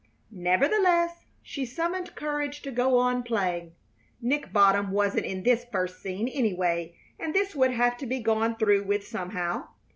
Nevertheless, she summoned courage to go on playing. Nick Bottom wasn't in this first scene, anyway, and this would have to be gone through with somehow.